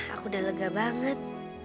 aku udah lega banget